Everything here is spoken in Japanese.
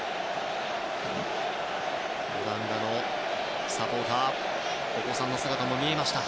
オランダのサポーターお子さんの姿も見えました。